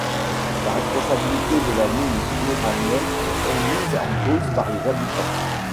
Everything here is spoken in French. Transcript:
La responsabilité de la mine d’uranium est mise en cause par les habitants.